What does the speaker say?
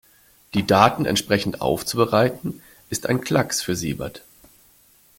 Die Daten entsprechend aufzubereiten, ist ein Klacks für Siebert.